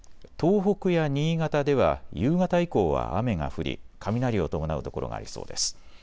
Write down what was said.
東北や新潟では夕方以降は雨が降り、雷を伴う所がありそうです。